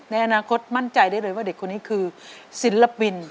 ในอนาคตมั่นใจได้เลยว่าเด็กคนนี้คือศิลปิน